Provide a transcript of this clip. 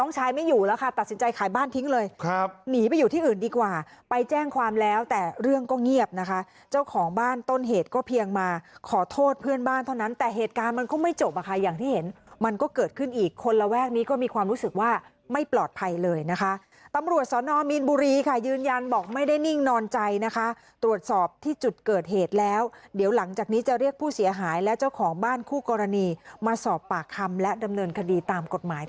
เงียบนะคะเจ้าของบ้านต้นเหตุก็เพียงมาขอโทษเพื่อนบ้านเท่านั้นแต่เหตุการณ์มันก็ไม่จบอ่ะค่ะอย่างที่เห็นมันก็เกิดขึ้นอีกคนละแวกนี้ก็มีความรู้สึกว่าไม่ปลอดภัยเลยนะคะตำรวจสนมีนบุรีค่ะยืนยันบอกไม่ได้นิ่งนอนใจนะคะตรวจสอบที่จุดเกิดเหตุแล้วเดี๋ยวหลังจากนี้จะเรียกผู้เสียหายและเจ้า